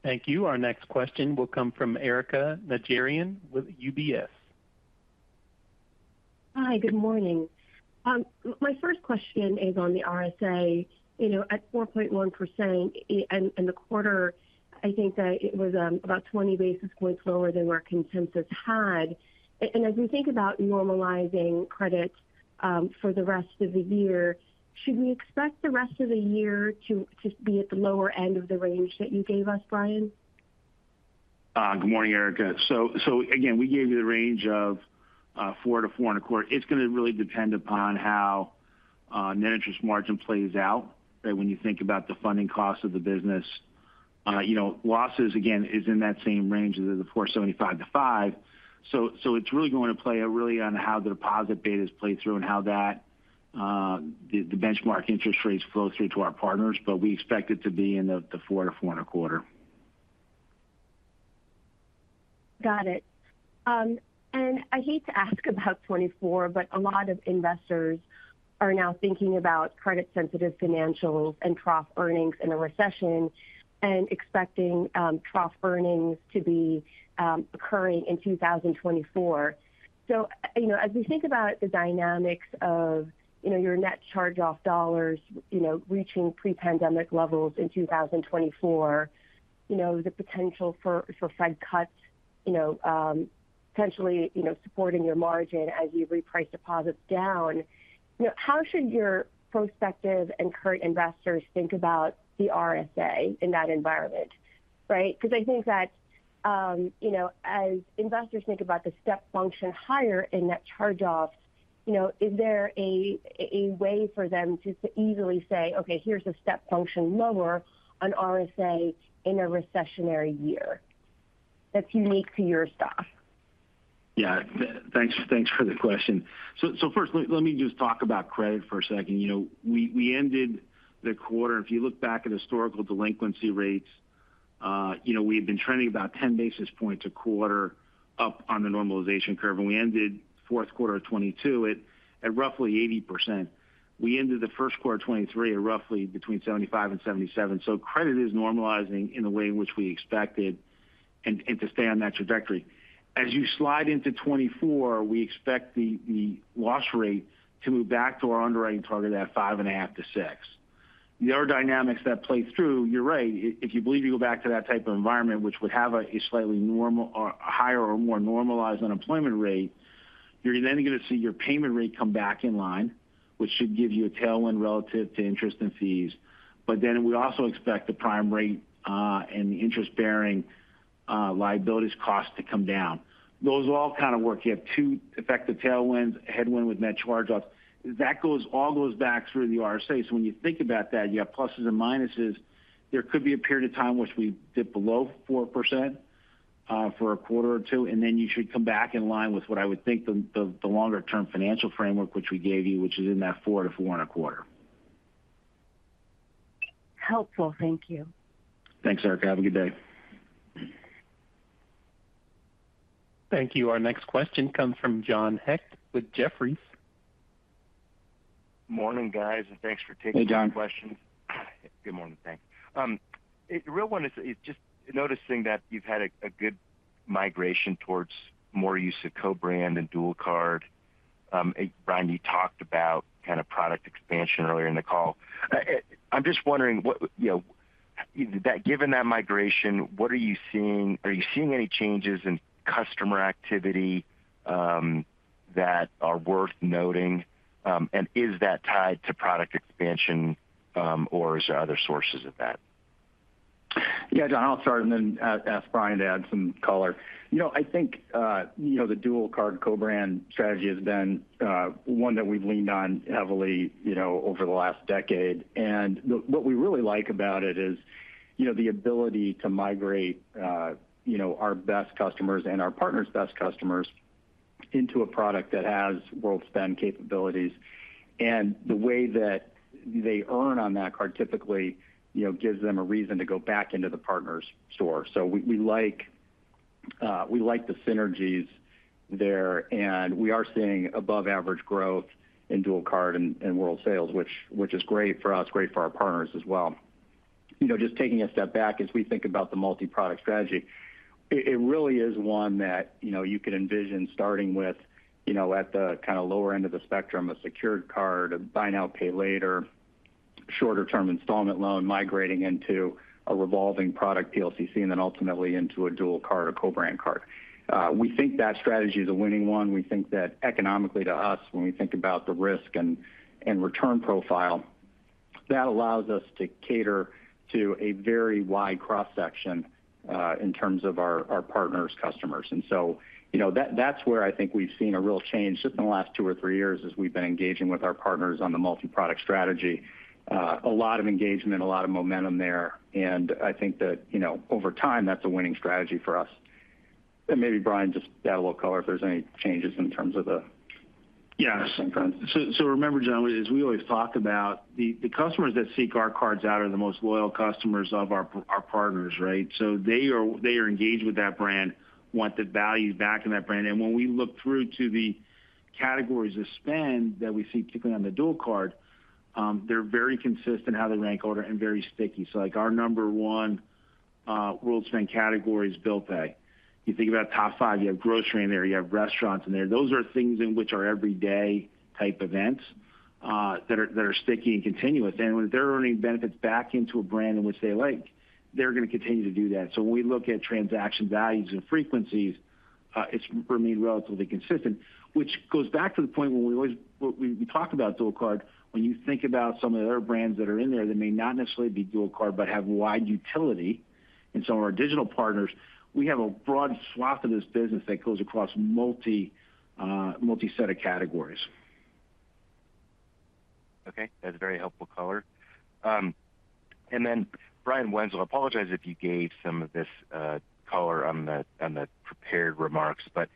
Thank you. Our next question will come from Erika Najarian with UBS. Hi, good morning. My first question is on the RSA. You know, at 4.1% in the quarter, I think that it was about 20 basis points lower than where consensus had. As we think about normalizing credit for the rest of the year, should we expect the rest of the year to be at the lower end of the range that you gave us, Brian? Good morning, Erika. Again, we gave you the range of 4%-4.25%. It's going to really depend upon how net interest margin plays out, right? When you think about the funding cost of the business. You know, losses, again, is in that same range of 4.75%-5%. It's really going to play out really on how the deposit betas play through and how that the benchmark interest rates flow through to our partners. We expect it to be in the 4%-4.25%. Got it. I hate to ask about 2024, but a lot of investors are now thinking about credit sensitive financials and trough earnings in a recession and expecting trough earnings to be occurring in 2024. As we think about the dynamics of, you know, your net charge-off dollars, you know, reaching pre-pandemic levels in 2024, you know, the potential for Fed cuts, you know, potentially, you know, supporting your margin as you reprice deposits down. You know, how should your prospective and current investors think about the RSA in that environment, right? I think that, you know, as investors think about the step function higher in net charge-offs, you know, is there a way for them to easily say, "Okay, here's a step function lower on RSA in a recessionary year that's unique to your stock? Yeah. Thanks for the question. First, let me just talk about credit for a second. You know, we ended the quarter, if you look back at historical delinquency rates, you know, we had been trending about 10 basis points a quarter up on the normalization curve. We ended fourth quarter of 2022 at roughly 80%. We ended the first quarter of 2023 at roughly between 75% and 77%. Credit is normalizing in the way in which we expected and to stay on that trajectory. As you slide into 2024, we expect the loss rate to move back to our underwriting target at 5.5%-6%. The other dynamics that plays through, you're right. If you believe you go back to that type of environment, which would have a slightly normal or higher or more normalized unemployment rate, you're then going to see your payment rate come back in line, which should give you a tailwind relative to interest and fees. We also expect the prime rate and the interest-bearing liabilities cost to come down. Those all kind of work. You have two effective tailwinds, a headwind with net charge-offs. all goes back through the RSA. When you think about that, you have pluses and minuses. There could be a period of time which we dip below 4%, for a quarter or two, and then you should come back in line with what I would think the longer-term financial framework, which we gave you, which is in that 4%-4.25%. Helpful. Thank you. Thanks, Erika. Have a good day. Thank you. Our next question comes from John Hecht with Jefferies. Morning, guys, thanks for taking some questions. Hey, John. Good morning. Thanks. The real one is just noticing that you've had a good migration towards more use of co-brand and dual card. Brian, you talked about kind of product expansion earlier in the call. I'm just wondering what, you know, given that migration, what are you seeing? Are you seeing any changes in customer activity, that are worth noting, and is that tied to product expansion, or is there other sources of that? Yeah, John, I'll start and then ask Brian to add some color. You know, I think, you know, the dual card co-brand strategy has been one that we've leaned on heavily, you know, over the last decade. What we really like about it is, you know, the ability to migrate, you know, our best customers and our partners' best customers into a product that has world spend capabilities. The way that they earn on that card typically, you know, gives them a reason to go back into the partner's store. We like, we like the synergies there, and we are seeing above average growth in dual card and world sales, which is great for us, great for our partners as well. You know, just taking a step back as we think about the multi-product strategy, it really is one that, you know, you could envision starting with, you know, at the kind of lower end of the spectrum, a secured card, a buy now, pay later, shorter-term installment loan, migrating into a revolving product PLCC, and then ultimately into a dual card or co-brand card. We think that strategy is a winning one. We think that economically to us, when we think about the risk and return profile, that allows us to cater to a very wide cross-section in terms of our partners' customers. You know, that's where I think we've seen a real change just in the last two or three years as we've been engaging with our partners on the multi-product strategy. A lot of engagement, a lot of momentum there, I think that, you know, over time, that's a winning strategy for us. Maybe Brian, just add a little color if there's any changes in terms of. Yeah. Same trends. Remember, John, as we always talk about the customers that seek our cards out are the most loyal customers of our partners, right? They are engaged with that brand, want the value back in that brand. When we look through to the categories of spend that we see, particularly on the dual card, they're very consistent how they rank order and very sticky. Like our number 1 world spend category is bill pay. You think about top 5, you have grocery in there, you have restaurants in there. Those are things in which are everyday type events that are sticky and continuous. When they're earning benefits back into a brand in which they like, they're gonna continue to do that. When we look at transaction values and frequencies, it's remained relatively consistent, which goes back to the point where we always talk about dual card, when you think about some of the other brands that are in there that may not necessarily be dual card, but have wide utility in some of our digital partners, we have a broad swath of this business that goes across multi-set of categories. Okay. That's a very helpful color. Brian Wenzel, I apologize if you gave some of this color on the prepared remarks, but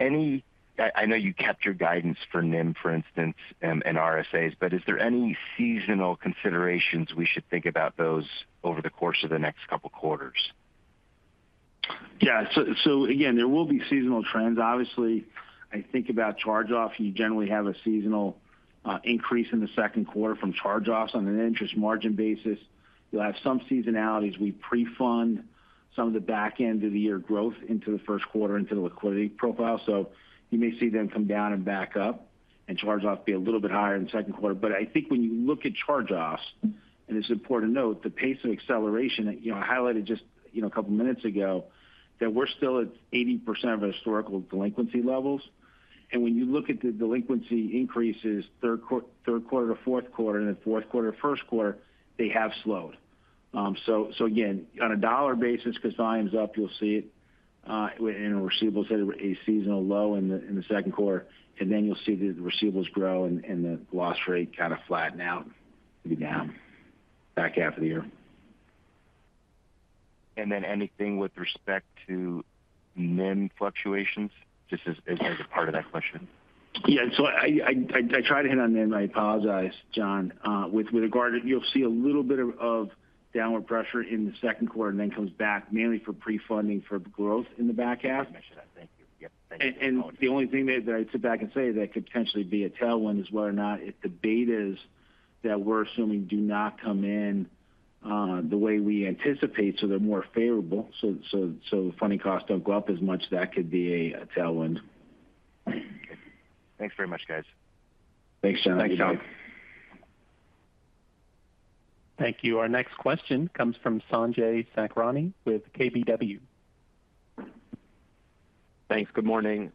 I know you kept your guidance for NIM, for instance, and RSAs, but is there any seasonal considerations we should think about those over the course of the next couple quarters? Again, there will be seasonal trends. Obviously, I think about charge-offs, you generally have a seasonal increase in the second quarter from charge-offs on an interest margin basis. You'll have some seasonality as we pre-fund some of the back end of the year growth into the first quarter into the liquidity profile. You may see them come down and back up, and charge-off be a little bit higher in the second quarter. I think when you look at charge-offs, and it's important to note, the pace of acceleration that, you know, I highlighted just, you know, a couple of minutes ago, that we're still at 80% of historical delinquency levels. When you look at the delinquency increases third quarter to fourth quarter, and then fourth quarter to first quarter, they have slowed. Again, on a dollar basis, because volume's up, you'll see it in receivables at a seasonal low in the second quarter. Then you'll see the receivables grow and the loss rate kind of flatten out, maybe down back half of the year. Then anything with respect to NIM fluctuations? Just as a part of that question. I tried to hit on NIM. I apologize, John. With regard to, you'll see a little bit of downward pressure in the second quarter and then comes back mainly for pre-funding for growth in the back half. I should have. Thank you. Yeah. Thank you. The only thing that I sit back and say that could potentially be a tailwind is whether or not if the betas that we're assuming do not come in the way we anticipate, so they're more favorable, so the funding costs don't go up as much, that could be a tailwind. Okay. Thanks very much, guys. Thanks, John. Thanks, John. Thank you. Our next question comes from Sanjay Sakhrani with KBW. Thanks. Good morning.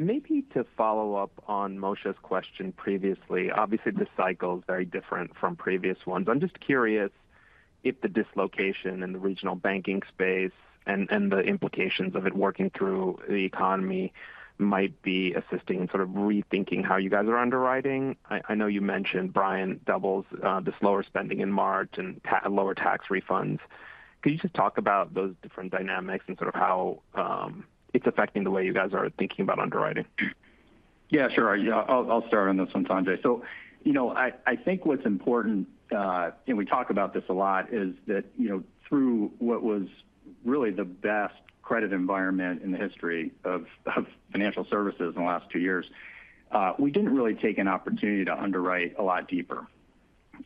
Maybe to follow up on Moshe's question previously. Obviously, this cycle is very different from previous ones. I'm just curious if the dislocation in the regional banking space and the implications of it working through the economy might be assisting in sort of rethinking how you guys are underwriting. I know you mentioned, Brian Doubles, the slower spending in March and lower tax refunds. Could you just talk about those different dynamics and sort of how, it's affecting the way you guys are thinking about underwriting? Yeah, sure. Yeah. I'll start on this one, Sanjay. You know, I think what's important, and we talk about this a lot, is that, you know, through what was really the best credit environment in the history of financial services in the last 2 years, we didn't really take an opportunity to underwrite a lot deeper.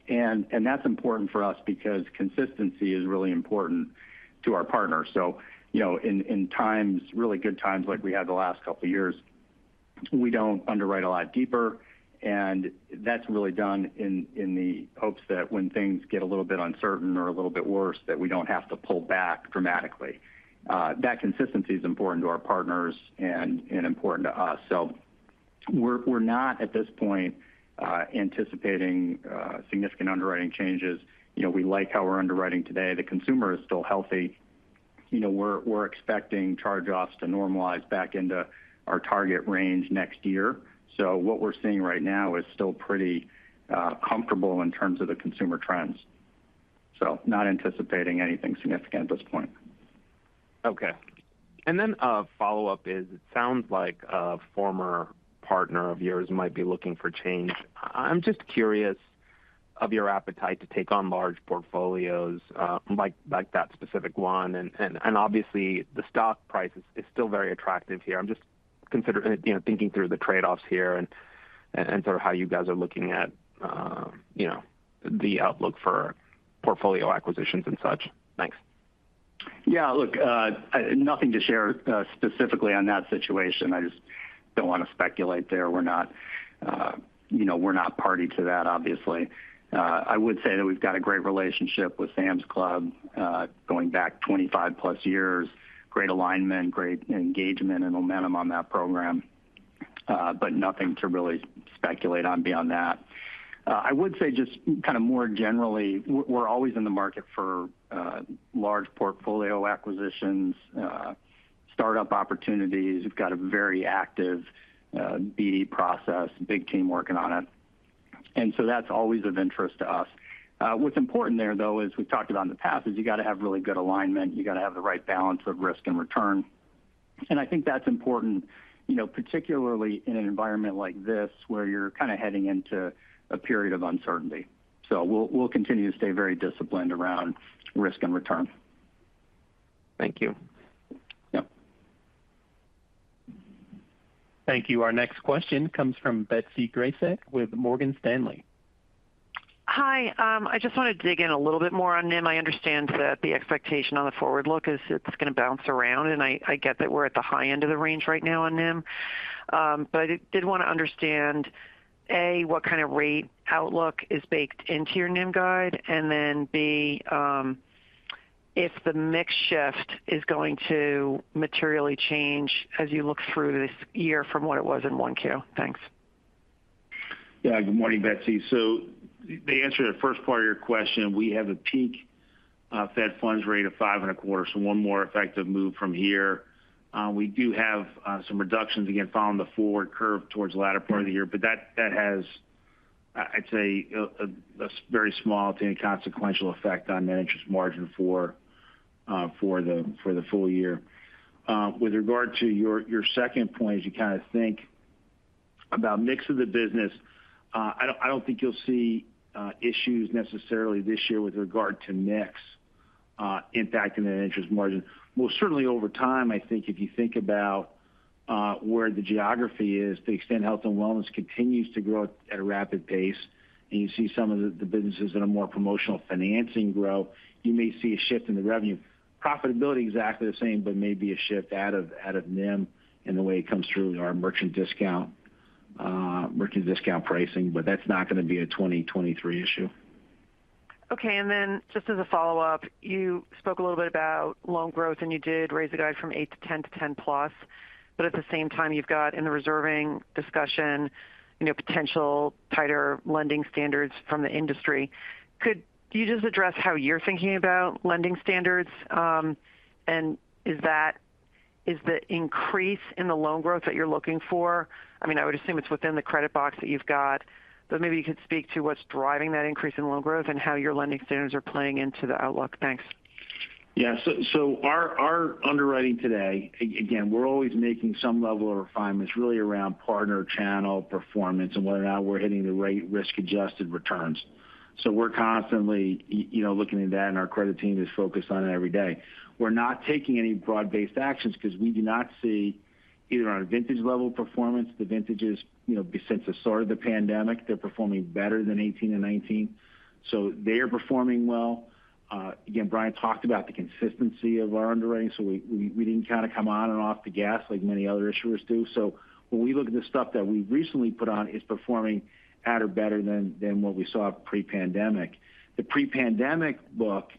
That's important for us because consistency is really important to our partners. You know, in times, really good times like we had the last couple of years. We don't underwrite a lot deeper, and that's really done in the hopes that when things get a little bit uncertain or a little bit worse, that we don't have to pull back dramatically. That consistency is important to our partners and important to us. We're not, at this point, anticipating significant underwriting changes. You know, we like how we're underwriting today. The consumer is still healthy. You know, we're expecting charge-offs to normalize back into our target range next year. What we're seeing right now is still pretty comfortable in terms of the consumer trends. Not anticipating anything significant at this point. Okay. A follow-up is, it sounds like a former partner of yours might be looking for change. I'm just curious of your appetite to take on large portfolios, like that specific one. Obviously the stock price is still very attractive here. I'm just You know, thinking through the trade-offs here and sort of how you guys are looking at, you know, the outlook for portfolio acquisitions and such. Thanks. Yeah. Look, nothing to share specifically on that situation. I just don't want to speculate there. We're not, you know, we're not party to that, obviously. I would say that we've got a great relationship with Sam's Club, going back 25 plus years. Great alignment, great engagement and momentum on that program. Nothing to really speculate on beyond that. I would say just kind of more generally, we're always in the market for large portfolio acquisitions, startup opportunities. We've got a very active B&E process, big team working on it, that's always of interest to us. What's important there, though, as we've talked about in the past, is you got to have really good alignment. You got to have the right balance of risk and return. I think that's important, you know, particularly in an environment like this where you're kind of heading into a period of uncertainty. We'll continue to stay very disciplined around risk and return. Thank you. Yep. Thank you. Our next question comes from Betsy Graseck with Morgan Stanley. Hi. I just want to dig in a little bit more on NIM. I understand that the expectation on the forward look is it's going to bounce around, and I get that we're at the high end of the range right now on NIM. Did want to understand, A, what kind of rate outlook is baked into your NIM guide? B, if the mix shift is going to materially change as you look through this year from what it was in 1Q. Thanks. Good morning, Betsy. The answer to the first part of your question, we have a peak Fed funds rate of 5.25%. One more effective move from here. We do have some reductions, again, following the forward curve towards the latter part of the year. That has, I'd say a very small to inconsequential effect on net interest margin for the full year. With regard to your second point, as you kind of think about mix of the business, I don't think you'll see issues necessarily this year with regard to mix impacting the net interest margin. Most certainly over time, I think if you think about where the geography is, to the extent health and wellness continues to grow at a rapid pace, and you see some of the businesses that are more promotional financing grow, you may see a shift in the revenue. Profitability, exactly the same, but maybe a shift out of NIM in the way it comes through our merchant discount, merchant discount pricing. That's not going to be a 2023 issue. Okay. Just as a follow-up, you spoke a little bit about loan growth, and you did raise the guide from 8 to 10 to 10+. At the same time, you've got in the reserving discussion, you know, potential tighter lending standards from the industry. Could you just address how you're thinking about lending standards? And is the increase in the loan growth that you're looking for? I mean, I would assume it's within the credit box that you've got. Maybe you could speak to what's driving that increase in loan growth and how your lending standards are playing into the outlook. Thanks. Yeah. Our underwriting today, again, we're always making some level of refinements really around partner channel performance and whether or not we're hitting the right risk-adjusted returns. We're constantly, you know, looking at that, and our credit team is focused on it every day. We're not taking any broad-based actions because we do not see either on a vintage level performance. The vintages, you know, since the start of the pandemic, they're performing better than 2018 and 2019, they are performing well. Again, Brian talked about the consistency of our underwriting. We didn't kind of come on and off the gas like many other issuers do. When we look at the stuff that we recently put on, it's performing at or better than what we saw pre-pandemic. The pre-pandemic book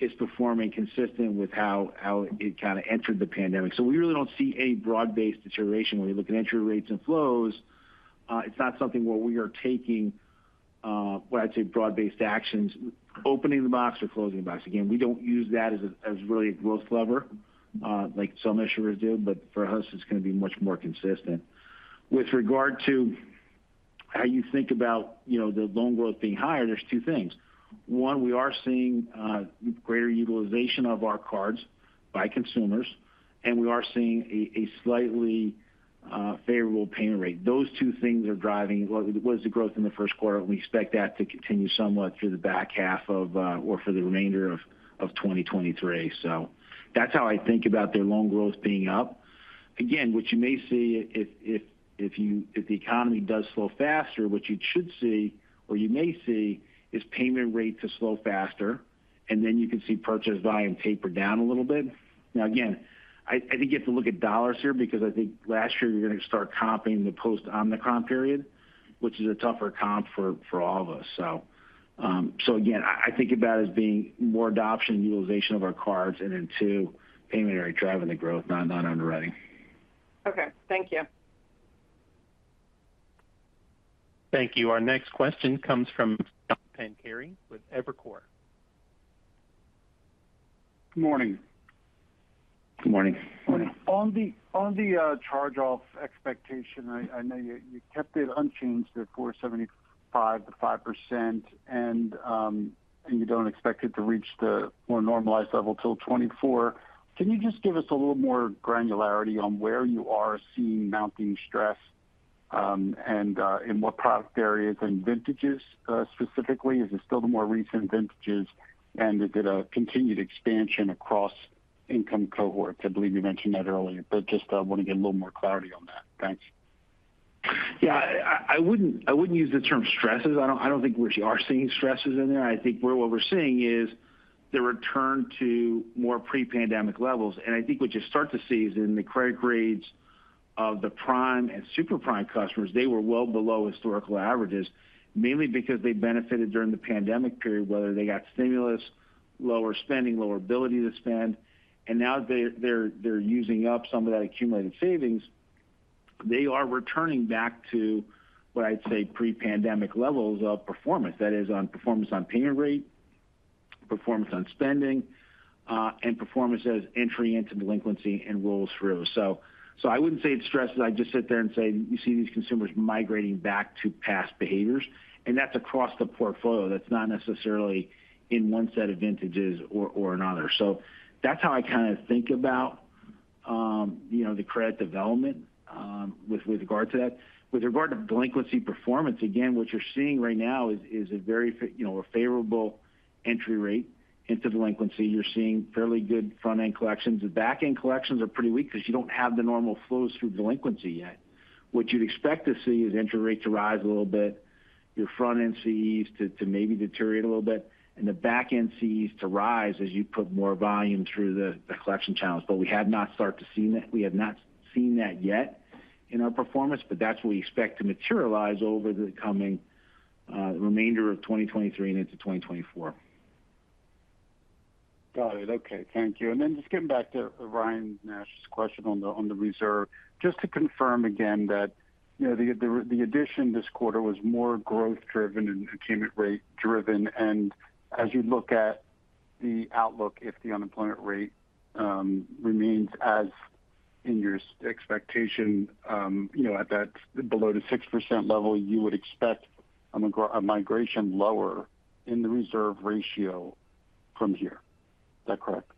is performing consistent with how it kind of entered the pandemic. We really don't see any broad-based deterioration when we look at entry rates and flows. It's not something where we are taking what I'd say broad-based actions, opening the box or closing the box. Again, we don't use that as really a growth lever like some issuers do. For us, it's going to be much more consistent. With regard to how you think about, you know, the loan growth being higher, there's two things. One, we are seeing greater utilization of our cards by consumers, and we are seeing a slightly favorable payment rate. Those two things are driving what is the growth in the first quarter. We expect that to continue somewhat through the back half of or for the remainder of 2023. That's how I think about the loan growth being up. Again, what you may see if the economy does slow faster, what you should see or you may see is payment rates will slow faster, and then you can see purchase volume taper down a little bit. Again, I think you have to look at dollars here because I think last year you're going to start comping the post-Omnicom period, which is a tougher comp for all of us. Again, I think of that as being more adoption and utilization of our cards and then 2, payment rate driving the growth, not underwriting. Okay. Thank you. Thank you. Our next question comes from John Pancari with Evercore. Good morning. Good morning. On the charge-off expectation, I know you kept it unchanged at 4.75%-5%. You don't expect it to reach the more normalized level till 2024. Can you just give us a little more granularity on where you are seeing mounting stress, and in what product areas and vintages specifically? Is it still the more recent vintages? Is it a continued expansion across income cohorts? I believe you mentioned that earlier, but just want to get a little more clarity on that. Thanks. I wouldn't use the term stresses. I don't think we are seeing stresses in there. I think what we're seeing is the return to more pre-pandemic levels. I think what you start to see is in the credit grades of the prime and super-prime customers, they were well below historical averages. Mainly because they benefited during the pandemic period, whether they got stimulus, lower spending, lower ability to spend, and now they're using up some of that accumulated savings. They are returning back to what I'd say pre-pandemic levels of performance. That is on performance on payment rate, performance on spending, and performance as entry into delinquency and rolls through. I wouldn't say it's stresses. I'd just sit there and say, you see these consumers migrating back to past behaviors, and that's across the portfolio. That's not necessarily in one set of vintages or another. That's how I kind of think about, you know, the credit development with regard to that. With regard to delinquency performance, again, what you're seeing right now is a very favorable entry rate into delinquency. You're seeing fairly good front-end collections. The back-end collections are pretty weak because you don't have the normal flows through delinquency yet. What you'd expect to see is entry rates arise a little bit. Your front-end Cs to maybe deteriorate a little bit and the back end Cs to rise as you put more volume through the collection channels. We have not seen that yet in our performance, that's what we expect to materialize over the coming remainder of 2023 and into 2024. Got it. Okay. Thank you. Just getting back to Ryan Nash's question on the reserve. Just to confirm again that, you know, the addition this quarter was more growth driven and attainment rate driven. As you look at the outlook, if the unemployment rate remains as in your expectation, you know, at that below the 6% level, you would expect a migration lower in the reserve ratio from here. Is that correct?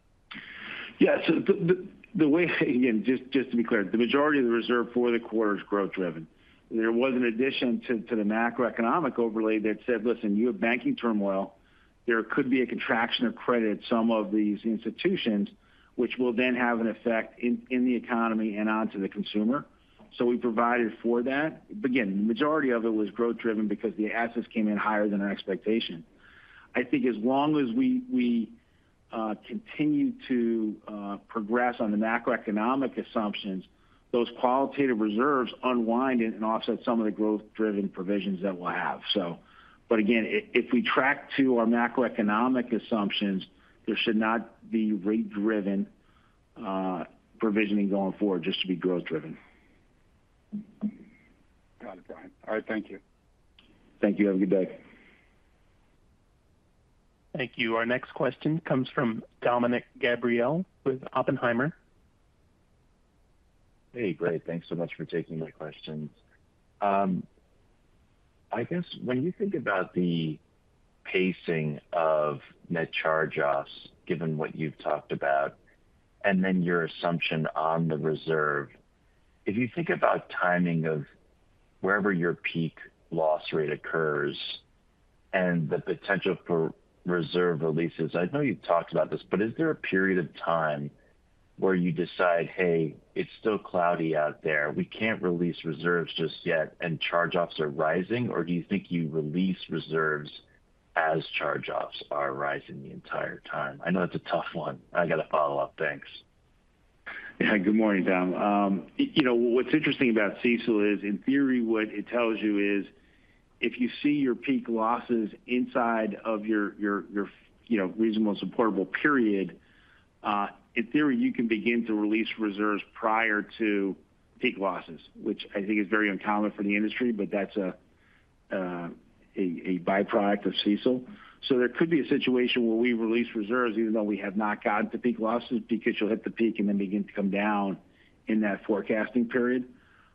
The way again, just to be clear. The majority of the reserve for the quarter is growth driven. There was an addition to the macroeconomic overlay that said, "Listen, you have banking turmoil. There could be a contraction of credit at these institutions, which will then have an effect in the economy and on to the consumer." We provided for that. Again, the majority of it was growth driven because the assets came in higher than our expectation. I think as long as we continue to progress on the macroeconomic assumptions, those qualitative reserves unwind and offset some of the growth-driven provisions that we'll have. Again, if we track to our macroeconomic assumptions, there should not be rate-driven provisioning going forward just to be growth driven. Got it, Brian. All right, thank you. Thank you. Have a good day. Thank you. Our next question comes from Dominick Gabriele with Oppenheimer. Hey, great. Thanks so much for taking my questions. I guess when you think about the pacing of net charge-offs, given what you've talked about, and then your assumption on the reserve. If you think about timing of wherever your peak loss rate occurs and the potential for reserve releases. I know you've talked about this, but is there a period of time where you decide, "Hey, it's still cloudy out there. We can't release reserves just yet, and charge-offs are rising"? Do you think you release reserves as charge-offs are rising the entire time? I know that's a tough one. I got a follow-up. Thanks. Yeah. Good morning, Dom. you know, what's interesting about CECL is, in theory, what it tells you is if you see your peak losses inside of your you know, reasonable and supportable period. In theory, you can begin to release reserves prior to peak losses, which I think is very uncommon for the industry, but that's a byproduct of CECL. There could be a situation where we release reserves even though we have not gotten to peak losses because you'll hit the peak and then begin to come down in that forecasting period.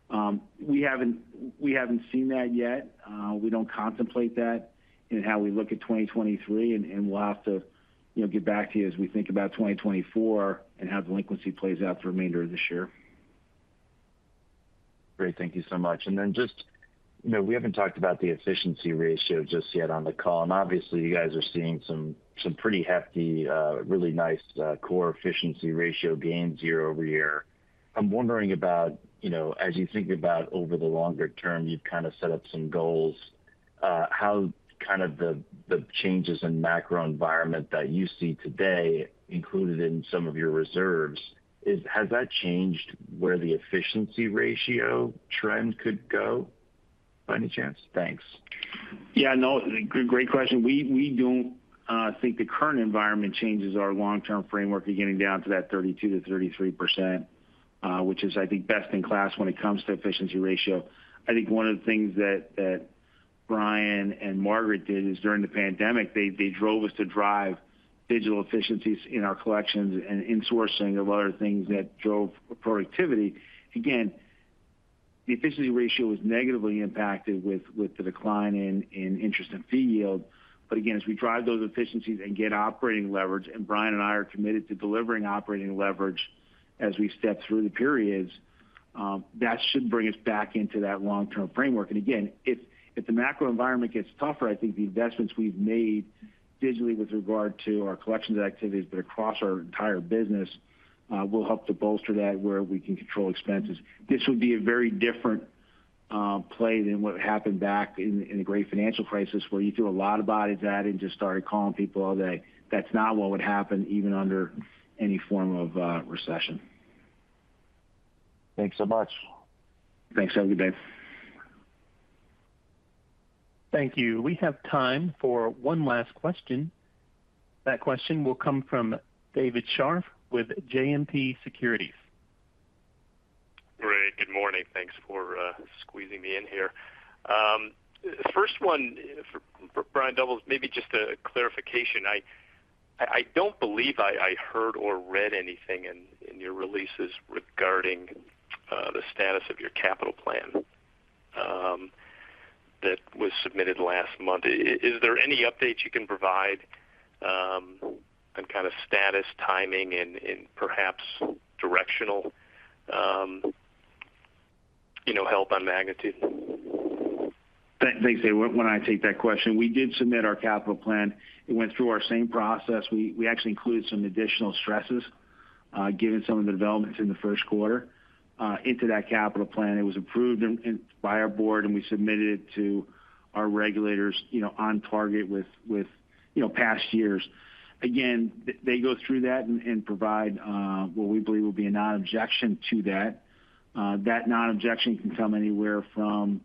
We haven't seen that yet. We don't contemplate that in how we look at 2023. We'll have to, you know, get back to you as we think about 2024 and how delinquency plays out the remainder of this year. Great. Thank you so much. Just, you know, we haven't talked about the efficiency ratio just yet on the call, and obviously you guys are seeing some pretty hefty, really nice core efficiency ratio gains year-over-year. I'm wondering about, you know, as you think about over the longer term, you've kind of set up some goals. How kind of the changes in macro environment that you see today included in some of your reserves. Has that changed where the efficiency ratio trend could go? By any chance? Thanks. Yeah, no, great question. We don't think the current environment changes our long-term framework beginning down to that 32%-33%, which is, I think, best in class when it comes to efficiency ratio. I think one of the things that Brian and Margaret did is during the pandemic, they drove us to drive digital efficiencies in our collections and insourcing of other things that drove productivity. The efficiency ratio was negatively impacted with the decline in interest and fee yield. As we drive those efficiencies and get operating leverage, and Brian and I are committed to delivering operating leverage as we step through the periods, that should bring us back into that long-term framework. Again, if the macro environment gets tougher, I think the investments we've made digitally with regard to our collections activities but across our entire business, will help to bolster that where we can control expenses. This would be a very different, play than what happened back in, the Great Financial Crisis where you threw a lot of bodies at it and just started calling people all day. That's not what would happen even under any form of, recession. Thanks so much. Thanks. Have a good day. Thank you. We have time for one last question. That question will come from David Scharf with JMP Securities. Great. Good morning. Thanks for squeezing me in here. First one for Brian Doubles, maybe just a clarification. I don't believe I heard or read anything in your releases regarding the status of your capital plan that was submitted last month. Is there any update you can provide on kind of status, timing and perhaps directional, you know, help on magnitude? Thanks, David. Why don't I take that question. We did submit our capital plan. It went through our same process. We actually included some additional stresses, given some of the developments in the first quarter, into that capital plan. It was approved in, by our board, and we submitted it to our regulators, you know, on target with, you know, past years. Again, they go through that and provide, what we believe will be a non-objection to that. That non-objection can come anywhere from,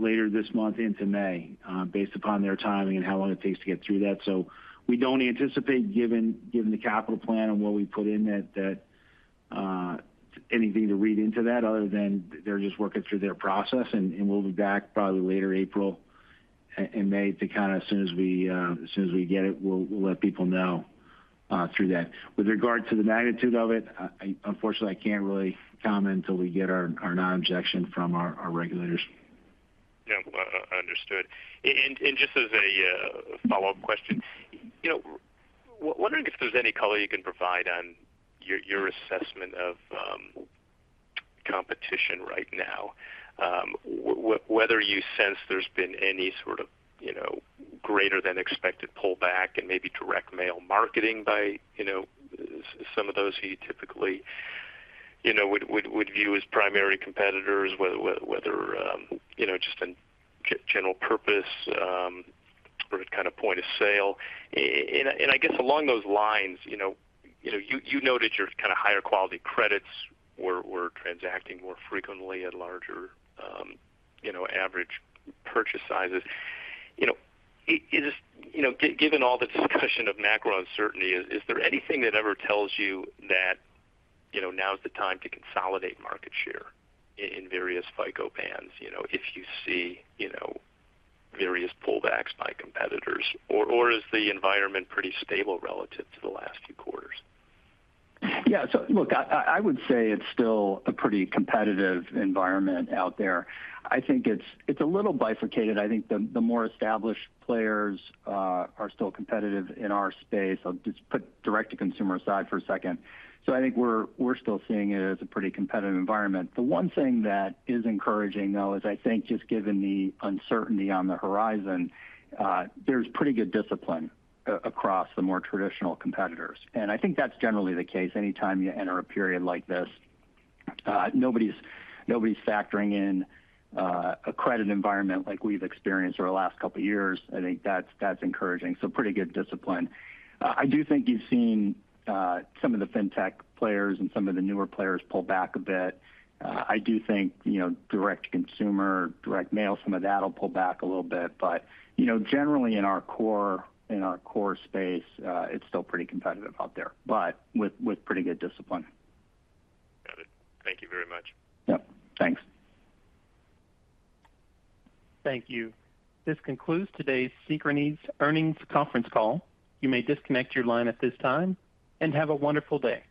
later this month into May, based upon their timing and how long it takes to get through that. We don't anticipate given the capital plan and what we put in that, anything to read into that other than they're just working through their process. We'll be back probably later April and May to kind of as soon as we get it, we'll let people know through that. With regard to the magnitude of it, unfortunately, I can't really comment until we get our non-objection from our regulators. Yeah. Understood. Just as a follow-up question, you know, wondering if there's any color you can provide on your assessment of competition right now. Whether you sense there's been any sort of, you know, greater than expected pullback and maybe direct mail marketing by, you know, some of those who you typically, you know, would view as primary competitors. Whether, you know, just in general purpose or kind of point of sale. I guess along those lines, you know, you know, you noted your kind of higher quality credits were transacting more frequently at larger, you know, average purchase sizes. You know, is, you know, given all the discussion of macro uncertainty, is there anything that ever tells you that, you know, now is the time to consolidate market share in various FICO bands? You know, if you see, you know, various pullbacks by competitors. Is the environment pretty stable relative to the last few quarters? Yeah. Look, I would say it's still a pretty competitive environment out there. I think it's a little bifurcated. I think the more established players are still competitive in our space. I'll just put direct to consumer aside for a second. I think we're still seeing it as a pretty competitive environment. The one thing that is encouraging though is I think just given the uncertainty on the horizon, there's pretty good discipline across the more traditional competitors. I think that's generally the case anytime you enter a period like this. Nobody's factoring in a credit environment like we've experienced over the last couple of years. I think that's encouraging. Pretty good discipline. I do think you've seen some of the fintech players and some of the newer players pull back a bit. I do think, you know, direct to consumer, direct mail, some of that'll pull back a little bit. You know, generally in our core, in our core space, it's still pretty competitive out there, but with pretty good discipline. Got it. Thank you very much. Yep. Thanks. Thank you. This concludes today's Synchrony's Earnings conference call. You may disconnect your line at this time, and have a wonderful day.